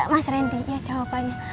mas randy ya jawabannya